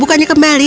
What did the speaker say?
dan bukannya kembali